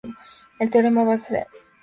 El teorema debe su nombre a Bernard Lamy.